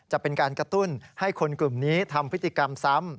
จะเป็นการกระตุ้นให้คนกลุ่มนี้ทำพฤติกรรมซ้ำ